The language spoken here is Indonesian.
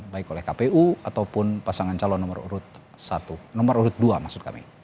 baik oleh kpu ataupun pasangan calon nomor urut satu nomor urut dua maksud kami